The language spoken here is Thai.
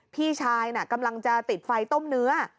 พี่ชายน่ะกำลังจะติดไฟต้มเนื้อ